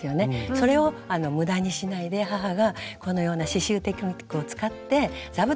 それを無駄にしないで母がこのような刺しゅうテクニックを使って座布団に仕上げてくれたんですね。